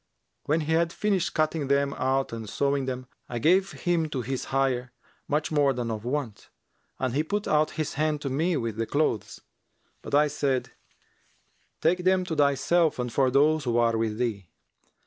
When he had finished cutting them out and sewing them, I gave him to his hire much more than of wont, and he put out his hand to me with the clothes; but I said, 'Take them for thyself and for those who are with thee.'